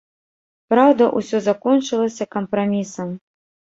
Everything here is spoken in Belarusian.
Праўда, усё закончылася кампрамісам.